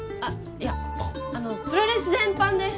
いやプロレス全般です